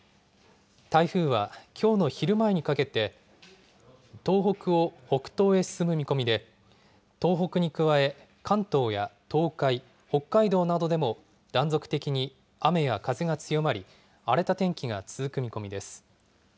台風はきょうの昼前にかけて、東北を北東へ進む見込みで、東北に加え、関東や東海、北海道などでも断続的に雨や風が強まり、荒れた天気が続く見込みです。